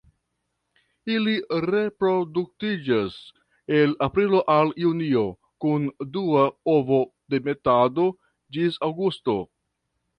Ili reproduktiĝas el aprilo al junio, kun dua ovodemetado ĝis aŭgusto.